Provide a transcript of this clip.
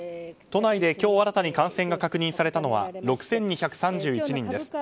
都内で今日新たに感染が確認されたのは６２３１人です。